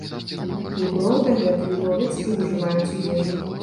Вугроў дагэтуль ловяць і ўжываюць у ежу.